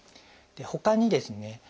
ほかにですね